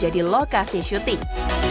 jadi lokasi syuting